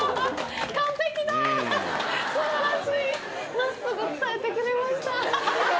真っすぐ伝えてくれました。